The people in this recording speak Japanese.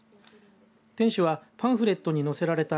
店主はパンフレットに載せられた